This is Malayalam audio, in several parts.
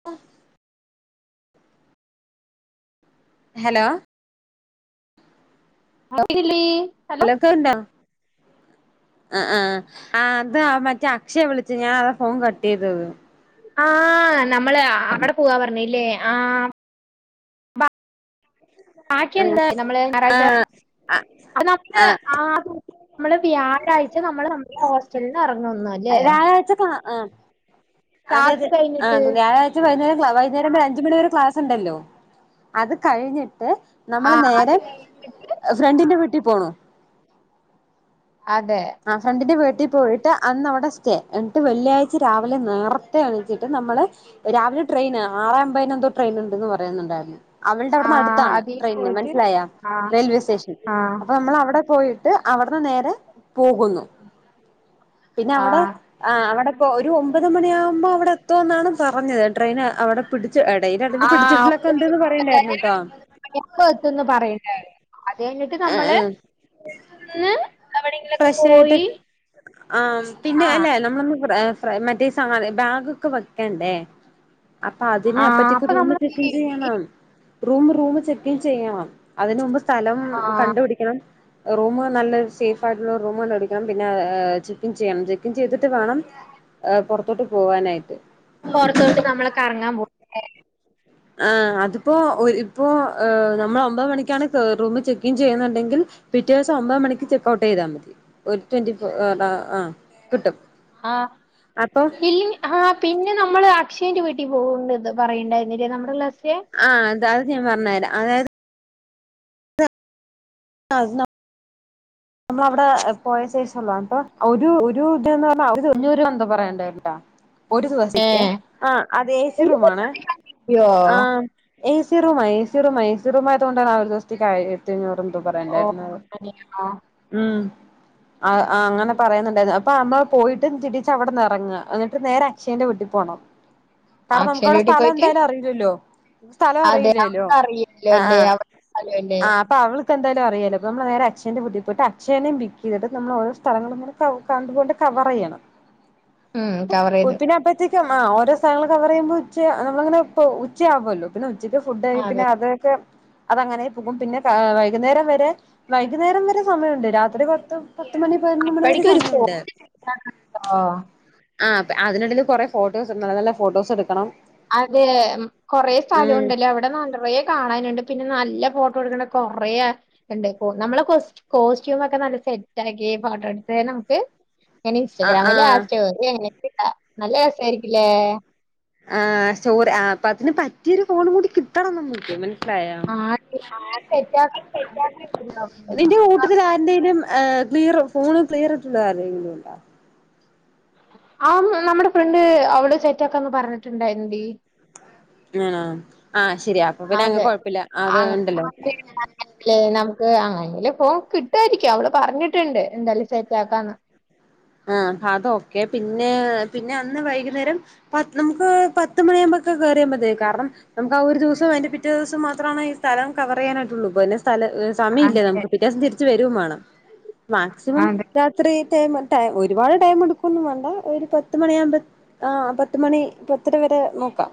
[inaudible] ഹലോ ഹലോ കേൾക്കുന്നില്ലേ ഹലോ [unintelligible] ആഹ് ആഹ് ആഹ് അത് മറ്റേ അക്ഷയെ വിളിച്ച് ഞാൻ അതാ ഫോൺ കട്ട് ചെയ്തത് ആഹ് നമ്മള് അവിടെ പോവാ പറഞ്ഞല്ലേ ആഹ് ബാക്കി എന്താ നമ്മള് ഞായറാഴ്ച ആഹ് ആ അത് നമ്മള് ആ ആഹ് നമ്മള് വ്യാഴാഴ്ച നമ്മള് നമ്മ ഹോസ് [unintelligible] എറങ്ങും ഇന്ന് വ്യാഴാഴ്ച്ചത്തെ ആഹ് അതെ ക്ലാസ് അതെ കഴിഞ്ഞിട്ട് ആഹ് വ്യാഴാഴ് ഇന്ന് വൈകുന്നേരം വ അഞ്ചുമണി വരെ ക്ലാസ് ഉണ്ടല്ലോ അത് കഴിഞ്ഞിട്ട് ആ നമ്മള് അത് നേരെ കഴിഞ്ഞിട്ട് ഫ്രണ്ടിന്റെ വീട്ടി പോണു അതെ ആഹ് ഫ്രണ്ടിന്റെ വീട്ടിൽ പോയിട്ട് അന്നവിടെ സ്റ്റേ എന്നിട്ട് വെള്ളിയാഴ്ച രാവിലെ നേർത്തെ എണീച്ചിട്ട് നമ്മള് രാവിലെ ട്രെയിന് ആറെ അമ്പതിനെന്തോ ട്രെയിനൊണ്ടെന്ന് പറയുന്നൊണ്ടാരുന്നു അവൾടെ ആ അവിടന്ന് അടുത്താണ് അതീ ട്രെയിന്ന് പോയിട്ട് മനസ്സിലായാ ആ റെയിൽവേ സ്റ്റേഷൻ ആ അപ്പൊ നമ്മളവിടെ പോയി ട്ട് അവിടുന്ന് നേരെ പോകുന്നു ആ പിന്നവടെ ആഹ് അവിടെ പോ ഒരു ഒമ്പത് മണിയാകുമ്പോ അവടെ എത്തുവെന്നാണ് പറഞ്ഞത് ട്രെയിൻ അവടെ പിടിച്ച എടയില് അടല് ആ പിടിച്ചിട്ടില്ലൊക്കെ ഒണ്ടന്ന് പറയണ്ടായിരുന്നുട്ടോ ഇപ്പ എത്തുംന്ന് പറയണ്ടാരുന്നു അത് കഴിഞ്ഞിട്ട് നമ്മള് ആ ന്ന് ഫ്രഷായിട്ട് ആഹ് പിന്നെ ആ അല്ലെ നമ്മളൊന്ന് ഫ്ര ഫ്ര മറ്റേ സാ ബാഗൊക്കെ വെക്കണ്ടേ അപ്പൊ അതിനെ ആ അപ്പത്തിക്ക് അപ്പൊ റൂമ് നമ്മള് എന്ത് ചെക്കിൻ ചെയ്യും ചെയ്യണം റൂമ് റൂമ് ചെക്കിൻ ചെയ്യണം അതിന് മുമ്പ് സ്ഥലം ആ കണ്ട് പിടിക്കണം റൂം നല്ല ഒരു സേഫ് ആയിട്ടുള്ള റൂം കണ്ടുപിടിക്കണം പിന്നെ ചെക്കിൻ ചെയ്യണം ചെക്കിൻ ചെയ്തിട്ട് വേണം ഏഹ് പൊറത്തോട്ട് പോവാനായിട്ട് പൊറത്തോട്ട് നമ്മള് കറങ്ങാൻ പോവാ ആഹ് അതിപ്പോ ഇപ്പോ ഏ നമ്മള് ഒമ്പത് മണിക്കാണ് റൂമ് ചെക്കിൻ ചെയ്യുന്നുണ്ടെങ്കിൽ പിറ്റേ ദിവസം ഒമ്പത് മണിക്ക് ചെക്ക് ഔട്ട് ചെയ്താ മതി ഒരു ട്വന്റി ഫോർ ആഹ് കിട്ടും ആഹ് അപ്പൊ ഇല്ലെ ആഹ് പിന്നെ നമ്മള് അക്ഷയന്റെ വീട്ടി പോവ്ണ്ട് ഇത് പറയണ്ടായിരുന്നില്ലേ നമ്മടെ ക്ലാസ്യെ ആഹ് അത് അത് ഞാൻ പറഞ്ഞു തരാം അതായത് ആഹ് അത് ന നമ്മളവടെ പോയ ശേഷല്ലോ അപ്പ ഒരു ഒരു ഇതന്ന് പറഞ്ഞ എന്താ അഞ്ഞൂറ് ന്തോ പറയണ്ടല്ലോ ഒരു ദിവസത്തെക്കെ ഏഹ് ആഹ് അത് എ സി റൂമാണേ യോ എ സി റൂമാ എ സി റൂമാ എ സി റൂമായത്കൊണ്ടാണ് ആ ഒരു ദിവസത്തെക്ക് ആയിരത്തഞ്ഞൂറ് എന്തോ പറയണ്ടായിരുന്നത് ഓഹ് [unintelligible] ഉം ആഹ് അ അങ്ങനെ പറയുന്നൊണ്ടാരുന്നു അപ്പൊ അമ്മള് പോയിട്ട് തിരിച്ച് അവടന്ന് എറങ്ങുക ന്ന്ട്ട് നേരെ അക്ഷയന്റെ വീട്ടിൽ പോണം കാരണം അക്ഷയന്റെ നമുക്കവടെ വീട്ടി സ്ഥലം പോയിട്ട് എന്തായാലും അറിയില്ലല്ലോ സ്ഥലം അതെ അറിയില്ലല്ലോ അവർക്ക് അറിയല്ലോ ആഹ് അല്ലേ ആഹ് അവല്ലോ അല്ലേ ആഹ് അപ്പൊ അവള് ഇപ്പ എന്തായാലും അറിയാലോ അപ്പ നമ്മള് നേരെ അക്ഷയന്റെ വീട്ടി പോയിട്ട് അക്ഷയനെ പിക്കെയ്തിട്ട് നമ്മളൊരു സ്ഥലങ്ങള്ങ്ങെനെ കൗ കണ്ട് പോയ്ട്ട് കവെറെയ്യെണം ഉം കവർ ചെയ്ത് പ്പോത്ത്ന് അപ്പെ ത്തേക്ക്യും ആഹ് ഓരോ സ്ഥലങ്ങള് കവെറെയ്യ്മ്പാെ ഉച്ചെ നമ്മളങ്ങെനെ പ്പൊ ഉച്ചയാവോല്ലോ പിന്നെ ഉച്ചെക്ക് ഫുഡ്ഡായി അതെ പിന്നെ അതേക്കെ അതങ്ങെനേ പാെകും പിന്നെ താ വൈക്ന്നേരം വെരെ ക്ന്നേരം വെരെ സമയുണ്ട് രാത്രി പത്ത് പത്ത് മണി പയ്നൊന്ന് മണി വെരെ സമയുണ്ട് ആഹ് ആഹ് പെ അതിനിടെൽ കൊറേ ഫോട്ടോസ്ണ്ട് നല്ല നല്ല ഫോട്ടോസെട്ക്കെണം അതേ കൊറേ സ്ഥലൂണ്ട്ലേ അവിടെ നറയെ കാണാന്ണ്ട് പിന്നെ നല്ല ഫോട്ടോട്ക്ക്ണ കൊറെയാ ക്കണ്ട് പ്പൊ നമ്മളെ കൊസ്‌റ്റ്‌ കോസ്റ്റ്യൂമാെക്കെ നല്ല സെറ്റാക്കി ഫോട്ടോ എട്ത്ത് നമുക്ക് എന് ആ ആ ഇൻസ്റ്റാഗ്രമിലാ സ്റ്റോറ്യോ അയ്നൊക്കെ ഇടാ നല്ല രസായ്രിക്ക്യുലേ ആഹ് സ്റ്റോറ് ആഹ് അപ്പതിന് പറ്റിയൊരു ഫോണും കൂടി കിട്ടണം നമ്മക്ക് മൻ സ്സിലായാേ ആടി- സെറ്റാക്കാൻ പറഞ്ഞിട്ടുണ്ടാവും. നിന്റെ ഒട് ത് കാര്ണേനും ഏഹ് ക്ലിയെറ് ഫോണ് ക്ലിയെറ്ട്ട്ണെത് ആര്തേങ്കിലുണ്ടാ ആഹ് നമ്മടെ ഫ്രണ്ട് അവള് സെറ്റാക്കാന്ന് പർഞ്ഞ്ട്ട്ണ്ടായ്ര്ന്നെടീ ആഹ് ആഹ് ശര്യാ അപ്പൊ പിന്നെ അങ്ങ് കൊഴപ്പില്ല ആത് ണ്ടല്ലോ ലേ നമ്ക്ക് ആഹ് എങ്കിലെ ഫോൺ കിട്ടുവായിരിക്കും അവള് പറഞ്ഞിട്ട്ണ്ട് എന്തയാലും സെറ്റാക്കാന്ന് ആഹ് അതോക്കെ പിന്നേ പിന്നെ അന്ന് വൈക്ന്നേരം പ നമുക്ക് പ ത്ത് മണിയാവുമ്പൊക്കെ കേറ്യാ മതി കാറ്ണം നമുക്കാ ഒരു ദിവ്സ്വും അയ്ന്റെ പിറ്റേ ദിവ്സം മാത്രമാണ് ഈ സ്ഥലം കവെറെയ്യാനായ്ട്ടൊള്ളു പ്ന്നെ സ്ഥല സമയില്ല നമുക്ക് പിറ്റേ ദിവ്സം തിരിച്ച് വെരും മാണം മാക്സിമം അതെ രാത്രീ ടെെമ് ടേ ഒരുപാട് ടൈമ്ട്ക്കൊന്നും വാണ്ടാ ഒര് പത്ത് മണിയാവുമ്പെ ആഹ് പത്ത്മണി പത്തെര വെരെ നോക്കാം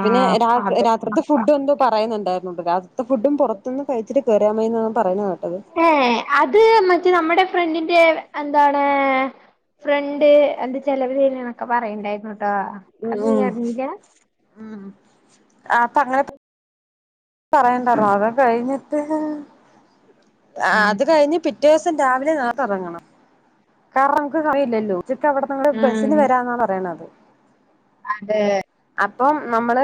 ആ പിന്നെ രാത് അതെ രാത്രിത്തെ ഫ് ഫുഡ്ഡ് എന്തോ പറയ്ന്ന്ണ്ടായ്ര്ന്നുണ്ട് രാത്രിത്തെ ഫുഡ്ഡും പാെറത്ത്ന്ന് കഴ്ച്ച്ട്ട് കേറ്യാ മയ്ന്ന് പറയ്ന്ന കേട്ടെത് ഏഹ് അത് മറ്റേ നമ്മടെ ഫ്രണ്ടിന്റെ എന്താണ് ഫ്രെണ്ട് എന്ത ചെലവ് തെര്ണ്ന്നൊക്കെ പറയ്ണ്ടായ്ര്ന്നുട്ടാ ഉം ആഹ് ആഹ് ആഹ് അപ്പങ്ങെനെ പറയണ്ടാര്ന്നു അത് കഴിഞ്ഞിട്ട് അഹ് ആഹ് അത് ഉം. കഴിഞ്ഞ് പിറ്റേ ദിസം രാവിലെ നേർത്തെ എറെങ്ങണം കാറ്ണം നമുക്ക് സമയില്ലല്ലോ ഉച്ചക്ക് അവിടെന്നങ്ങട് ബെസിന് വെരാന്നാ പറയ്ണത് അതേ അപ്പം നമ്മള്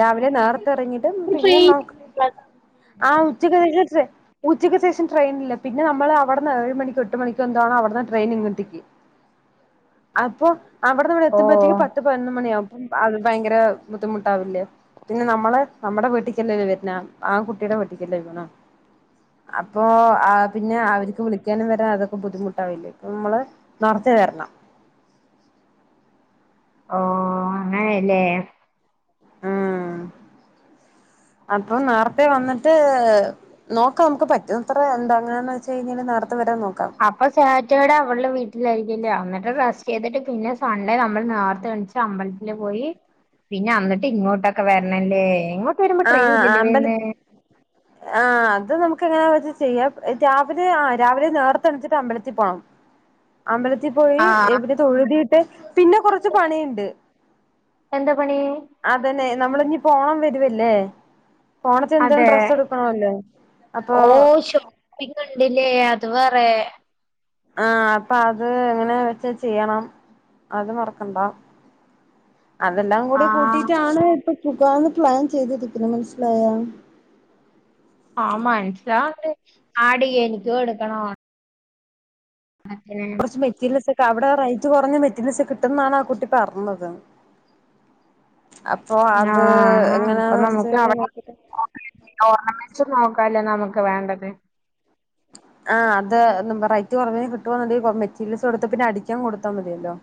രാവിലെ നേർത്തെ എറെങ്ങീട്ട് പിന്നേം ട്രെയിൻ നമുക്ക് ആഹ് ഉച്ചക്ക് ശേഷം ട്രൈ ഉച്ചക്ക് ശേഷം ട്രെയിൻല്ല പിന്നെ നമ്മള് അ അവ്ട്ന്ന് ഏഴ് മണിക്ക് എട്ട് മണിക്കൊന്താണ് അവട്ന്ന് ട്രെയിനിങ്ങെട്ടേക്ക്യ് അപ്പൊ ഓ അവടെന്ന്ങ്ങെത്ത്മ്പഴ്ത്തേക്ക് പത്ത് പതിനൊന്ന് മണ്യാവും പ്പം അത് ഭയ്ങ്കര ബുദ്ധിമുട്ടാവില്ലേ പിന്നെ നമ്മള് നമ്മടെ വീട്ടിക്കല്ലല്ലോ വെര്നെ ആ കുട്ടീടെ വീട്ടിക്ക്യല്ലേ പോണാ അപ്പോ ആഹ് പിന്നെ അവര്ക്ക് വിളിക്ക്യാനും വെരാ അതൊക്കെ ബുദ്ധിമുട്ടാവില്ലേ പ്പം മ്മെള് നേർത്തെ വെര്ണം ഓഹ് അങ്ങെനേലേ അപ്പം നേർത്തേ വന്നിട്ട് നോക്കാം നമ്ക്ക് പറ്റ്ന്നത്ര എന്താ എങ്ങനാന്ന് വെച്ചെയ്ഞ്ഞാല് നേർത്തെ വരാം നോക്കാം അപ്പം സാറ്റർഡേ അവൾടെ വീട്ടിലായിരിക്കില്ല്യാ അന്നിട്ട് റസ്റ്റെയ്തിട്ട് പിന്നെ സൺ‌ഡേ നമ്മൾ നേർത്തെൺച്ച് ട്ടമ്പൽത്തില് പോയി പിന്നെ അന്നിട്ട് ഇങ്ങോട്ടൊക്കെ വെര്ണംലേ എങ്ങോട്ട് വെരും ആഹ് അമ്പല ആഹ് അത് നമുക്ക് എങ്ങെനാന്ന് വെച്ചാ ചെയ്യാം രാവിലെ ആഹ് രാവിലെ നേർത്തെണ്ച്ചിട്ട് അമ്പലത്തി പോണം. അമ്പലത്തി പോയി ആഹ് എവിടെ തൊഴുതീട്ട് പിന്നെ കൊറച്ച് പണിയ്ണ്ട്. എന്താ പണി അതന്നെ നമ്മള് ന്നി പോണം വരുവ ല്ലെ പോണത്തിന് ന്തേലും അതെ ഡ്രെസ് എടുക്കണമല്ലോ അപ്പൊ പ്പിങ്ങണ്ടില്ലേ അത് പറേ ആഹ് അപ്പൊ അത് എങ്ങനെ വെച്ച ചെയ്യണം. അത് മറക്കണ്ട. അതെല്ലാം കൂടി ആഹ് കൂട്ടിയിട്ടാണ് ഇപ്പൊ പുകാന്ന് പ്ലാൻ ചെയ്തിരിക്കുന്നത് മനസ്സിലായാ ആഹ് മൻസ്സിലാണ്ട്. ആഡീ എനിക്കും എടുക്കണൊ അങ്ങനെ കൊർച്ച് മെറ്റീരിയൽസ് ഒക്കെ അവിടെ റേറ്റ് കൊറഞ്ഞ മെറ്റീരിൽസ് കിട്ടുന്നാണാകുട്ടിപർഞ്ഞത്. ങാ അത് ആഹ് അപ്പൊ എങ്ങനെയാന്ന് വെച്ച് നമുക്ക് കഴിഞ്ഞാൽ നടക്കാം നോക്കിട്ട് ഓർണമെൻറ്സ് നോക്കാല്ലേ നമുക്ക് വേണ്ടത്. ആഹ് അത് നുമ്മ റൈറ്റ് കൊറവിന് കിട്ടുവന്നൊണ്ടേൽ കൊ മെറ്റീരിയൽസ് കൊടുത്ത് പിന്നെ അടിക്കാൻകൊടുത്താ മതിയല്ലോ.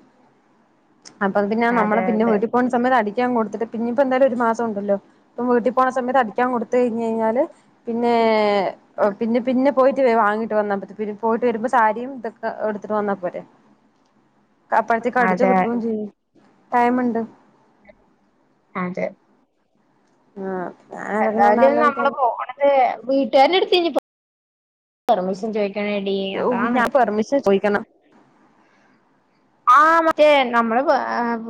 അപ്പം പിന്ന നമ്മള് അതെ പിന്നെ അതെ വീട്ടി പോണ് സമയത്ത് അടിക്കാൻകൊടുത്തിട്ട് പിന്നെ ഇപ്പൊന്തായാലും ഒരു മാസോണ്ടല്ലോ പ്പം വീട്ടി പോണ സമയത്ത് അടിക്കാൻ കൊടുത്ത് കഴിഞ്ഞ് കഴിഞ്ഞാല് പിന്നേ. ഓഹ് പിന്നെ പിന്നെ പോയിട്ട് വെ വാങ്ങിട്ട് വന്നാ പറ്റത്തില്ലേ പോയിട്ട് വരുമ്പം സാരിയും തക്കെ എടുത്തിട്ട് വന്നാ പോരെ. ക്കപ്പഴത്തേക്ക് അടിച്ച് അതെ കിട്ടുവേം ചെയ്യും ടൈമ്ണ്ട് ആതെ ആഹ് ആ എന്തായാലും നമ്മള് പോണത് വീട്ടുകാരടെ എടുത്ത് ഇനി പെർമിഷൻ ചോദിക്കണ് ഓഹ് ഞാൻ പെർമിഷൻ ചോയിക്കണം ആഹ് മറ്റേ നമ്മള്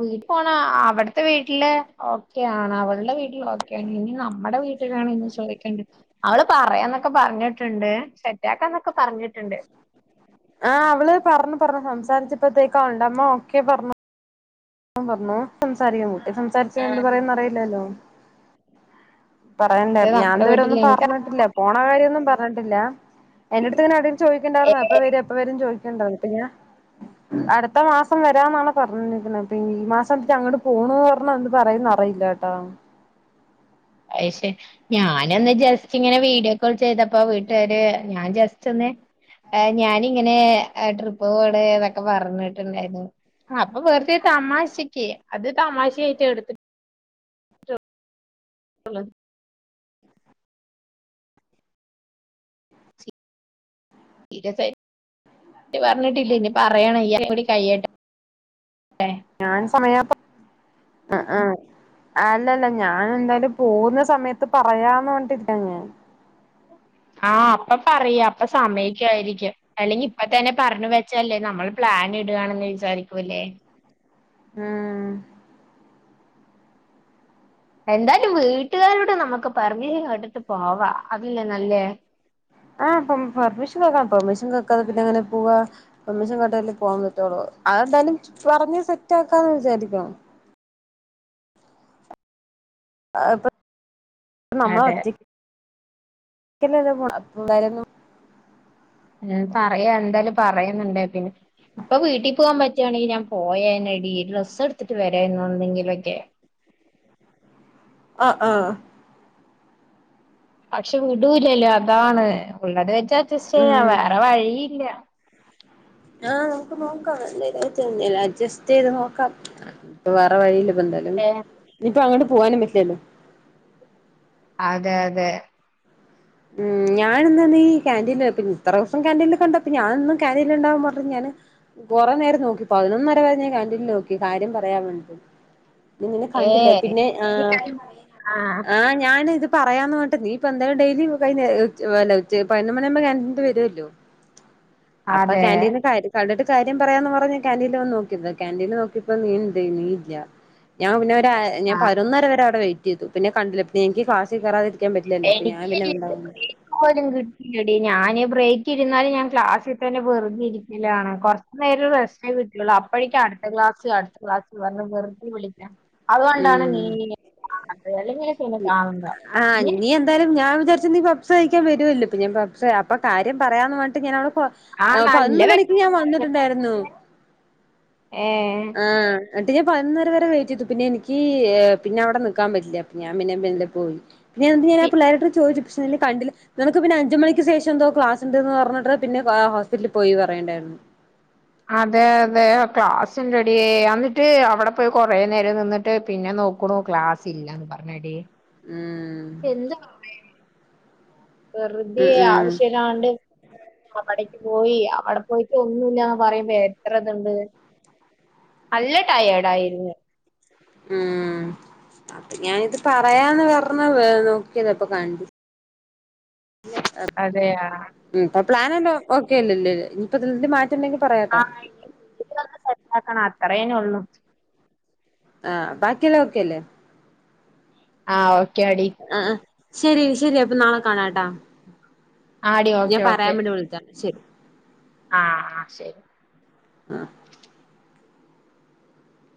വീട്ട് പോണ അവിടത്തെ വീട്ടിലെ ഒ ക്കെയാണ് അവളുടെ വീട്ടിൽ ഓക്കെയാണ് ഇനി നമ്മുടെ വീട്ടിലാണ് ഇനി ചോദിക്കേണ്ടത് അവള് പറയാന്നൊക്കെ പറഞ്ഞിട്ട്ണ്ട്. സെറ്റാക്കാന്നൊക്കെ പറഞ്ഞിട്ട് ണ്ട്. ആഹ് അവള് പറഞ്ഞ് പറഞ്ഞു സംസാരിച്ചപ്പൾതേക്കും അവൾടെ അമ്മ ഓക്കേ പറഞ്ഞു പ്പം പർഞ്ഞു സംസാരിക്കുന്നു കുട്ടി സംസാരിച്ച എന്ത് പറയുന്ന റിയില്ലല്ലോ പറയണ്ടേ അതെ ഞാൻ നമ്മുടെ തുവരെ വീട്ടിൽ ഒന്നും പറഞ്ഞിട്ടില്ല പോണ കാര്യമൊന്നും പറഞ്ഞിട്ടില്ല. എന്റടുത്തിങ്ങനെ [unintelligible] ചോയിക്ക്ണ്ടാരുന്നു എനിക്ക എപ്പൊവര എ പ്പ വരും ചോദിക്കണ്ടാന്ന്. പിന്നെ അടുത്ത മാസം വരാന്നാണ് പറഞ്ഞിരിക്കുന്നത് ഈ മാസം ജ്ജ് അങ്ങട്ട് പോണു അർഞ്ഞ എന്ത് പറയുന്നറിയില്ലട്ടോ. അയ് ശര്യാ ഞാനൊന്ന് ജസ്റ്റ് ങ്ങനെ വീഡിയോ കോൾ ചെയ്തപ്പോ വീട്ടുകാര് ഞാൻ ജസ്റ്റൊന്ന് എ ഞാനിങ്ങനെ എ ട്രിപ്പ് പോണ് ന്നൊക്കെ പറഞ്ഞിട്ടുണ്ടായിരുന്നു. അപ്പൊ വെറുതെ തമാശക്ക് അത് തമാശായിട്ടേ എടുത്തി ട്ടുള്ളു. സീരിസായിട്ട് പറഞ്ഞിട്ടില്ല ഇനി പറയണം ഈ യർ കൂടെ കഴിയട്ടെ. [inaudible] ഞാൻ സമയാമ്പൊ അ ആഹ് അല്ലല്ല ഞാനെന്തായാലും പോവുന്ന സമയത്ത് പറയാന്ന് പറഞ്ഞിട്ടിരിക്കാങ്ങനെ ആഹ് അപ്പൊ പറയ അപ്പൊ സമയ്ക്കായിരിക്കും. അല്ലെങ്കി പ്പ തന്നെ പറഞ്ഞു വെച്ചാല്ലേ നമ്മൾ പ്ലാനി ടുകയാണന്ന് വിചാരിക്കൂ ഇല്ലേ ഉം എന്തായാലും വീട്ടുകാരോട് നമുക്ക് പെർമിഷൻ എടുത്ത് പോവാ അതല്ലേ നല്ലേ? ആഹ് പ്പം പെർമിഷൻ കേക്കാം പെർമിഷൻ കേക്കാതെ പിന്നെ എങ്ങനെ പോവാ പെർമിഷൻ കേട്ടാലേ പോവാൻ പറ്റുള്ളൂ അതെന്താലും പറഞ്ഞ് സെറ്റ് ആക്കാന്ന് വിചാരിക്കണം [unintelligible] അതെ നമ്മളൊറ്റെ ക്കന്നെല്ലേ പോണേ [unintelligible] ഞാൻ പറയാ എന്തായാലും പറയന്ന്ണ്ടേ പിന്നെ ഇപ്പൊ വീട്ടി പോവാൻ പറ്റാണെങ്കി ഞാൻ പോയെനെടി ഡ്രസ്സ് എടുത്തിട്ട് വരായിരുന്നു എന്തെങ്കിലൊക്കെ ആ ആഹ് പക്ഷെ വിടൂലല്ലോ അതാണ് ഉള്ളത് വെച്ച് അഡ്ജസ്റ്റ് ചെയ്യ വേറെ വഴിയില്ല ആഹ് നമുക്ക് നോക്കാം [unintelligible] അട്ജെസ്റ്റ് ചെയ്തു നോക്കാം വേറെ വഴിയില്ല ഇപ്പൊ എന്തായാലും ഏ ഇഞ്ഞിപ്പ അങ്ങട്ട് പോവാനും പറ്റില്ലല്ലോ അതെ അതെ ഉം ഞാൻ ഇന്നാ നീ കാന്റീൻ അകത്ത് ഇത്ര ദൂസം കാന്റീൽ കണ്ടപ്പോ ഇപ്പ ഞാനെന്നും കാൻ്റീൻലുണ്ടാവും പറഞ്ഞ ഞാന് കൊറേ നേരം നോക്കി പതിനൊന്നര വരെ ഞാൻ കാൻ്റീൻല് നോക്കി കാര്യം പറയാൻ വേണ്ടി നിന്നെ ഏ കണ്ടില്ല പിന്നെ ആ ആഹ് ആ ഞാനിത് പറയാന്ന്റന്നിട്ട് നീ ഇപ്പ എന്തായാലും ഡെയിലി വയ്ന്നേ ഉച്ച അല്ല ഉച്ച പതിന്നൊന്ന് മണിയാവുമ്പോ കാന്റീൻത്തെ വരുവല്ലോ അപ്പൊ അതെ കാന്റീൻ ക കണ്ടിട്ട് കാര്യം പറയാന്ന് പറഞ്ഞ് കാന്റീനിൽ വന്ന് നോക്കിയത കാൻ്റീൻ ല് നോക്കിയപ്പോ നീണ്ട് നീയില്ല ഞാൻ പിന്നെ ഒരു അര ഞാൻ ആ പയിനൊന്നര വരെ അവിടെ വെ യ്റ്റെയ്തു പിന്നെ കണ്ടില പിന്നെ എനിക്ക് ക്ലാസി കയറാതിരിക്കാൻ പറ്റില്ലല്ലോ അപ്പൊ ഞാൻ പിന്നെ ഉണ്ടാവും [unintelligible] കിട്ടിയില്ലെടി ഞാ നി ബ്രേക്ക് ഇരുന്നാലും ഞാൻ ക്ലാസ്സി തന്നെ വെറുതെ ഇരിക്കലാണ് കൊറച്ച് നേരം റെസ്റ്റേ കിട്ടിയൊള്ളൂ അപ്പോഴേക്കും അടു ത്ത ക്ലാസ് അടുത്തക്ലാസ് വര്ന്ന് വെർതെ വിളിക്ക അതുകൊണ്ടാണ് നീ ഉം എന്നെ കാണാത്തെ അല്ലെങ്കി [unintelligible] ആഹ് നീ എന്തായാലും ഞാൻ വിചാരി ച്ചു നീ പപ്സ് കഴിക്കാൻ വരുവല്ലോ പ്പൊ ഞാൻ പപ്സ് അപ്പൊ കാര്യം പറയാന്ന് പറഞ്ഞിട്ട് ഞാൻവടേ പൊ ആ നല്ല പതിനൊന്ന് വെ- മണിക്ക് ഞാൻ വന്നിട്ടുണ്ടായിരുന്നു ഏഹ് ആ ന്നിട്ട് ഞാൻ പതിനൊന്നര വരെ വെയിറ്റ് ചെയ്തു പിന്നെ എനിക്ക് പിന്നെ അവിടെ നിക്കാൻ പറ്റില്ല അപ്പൊ ഞാൻ പിന്നെ മെല്ലെ പോയി ഞാ എന്നിട്ട് ഞാ പി- പിള്ളാര അടുത്ത് ചോദിച്ചു പക്ഷെ നിന്നെ കണ്ടില നിനക്ക് പിന്നെ അഞ്ച് മണിക്ക് ശേഷം എന്തോ ക്ലാസ്ണ്ട് എന്ന് പറഞ്ഞിട്ട് പിന്നെ ആ ഹോസ്പിറ്റലി പോയി പറയ്ണ്ടായിരുന്നു അതെ അതെ ക്ലാസ്സുണ്ടെടി അന്നിട്ട് അവിടെ പോയി കൊറേ നേരം നിന്നിട്ട് പിന്നെ നോ ക്കുണു ക്ലാസ്സില്ലാന്ന് പറഞ്ഞെടീ ഉം എന്താ വെർതേ ഉം ഉം ആവശ്യല്ലാണ്ട് അവടെക്ക് പോയി അവിടെ പോയിട്ട് ഒന്നുംല്ലാന്ന് പറയുമ്പ എത്രത്ണ്ട് നല്ല ടയേർഡ് ആയിരുന്നു ഉം അപ്പൊ ഞാനിത് പറയാന്ന് പറഞ്ഞ വെർ നോക്കിയത് അപ്പൊ കണ്ടില്ല അതെ ആഹ് ഉം ഇപ്പൊ പ്ലാൻ എല്ലാം ഓക്കെ അല്ലല്ല ഇഞ്ഞിപ്പൊ ഇത് മാറ്റണ്ടെങ്കിൽ പറയാട്ട ഇഞ്ഞിപ്പോ അതൊന്ന് സെറ്റാക്കണം അത്രേ ഇഞ്ഞൊള്ളൂ ആഹ് ബാക്കിയെല്ലാം ഓക്കെ അല്ലേ ആഹ് ഓക്കെയാടി ആഹ് ആഹ് ശരി ശരി അപ്പൊ നാളെ കാണാട്ടാ ആടി ഞാൻ ഓക്കെ ഓക്കെ പറയാൻ വേണ്ടി വിളിച്ചാ ശരി ആഹ് ആഹ് ശരി ആ